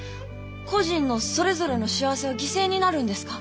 個人のそれぞれの幸せは犠牲になるんですか？